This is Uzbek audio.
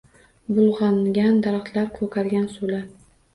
Bulgʻangan daraxtlar, koʻkargan suvlar.